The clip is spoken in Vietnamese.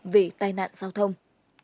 vì tai nạn giao thông